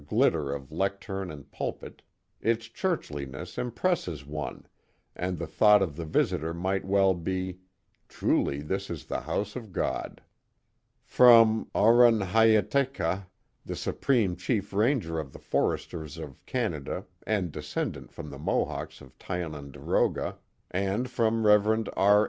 glitter of lecturn and pulpit, its churchliness impresses one, and the thought of the visitor might well be, truly this is the house of God.*' From Oronhyatekha, the Supreme Chief Ranger of the Foresters of Canada and descendant from the Mohawks of Tiononderoga, and from Rev. R.